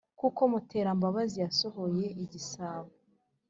kuko muterambabazi yasohoye igisabo